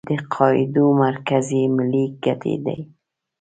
د قاعدو مرکز یې ملي ګټې دي.